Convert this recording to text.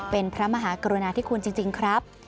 เป็นพระมหากรุณาธิคุณจริงครับ